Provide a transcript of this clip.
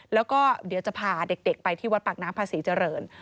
แล้วก็เดี๋ยวจะพาเด็กไปที่วัดปากน้ำภาษีเจริญ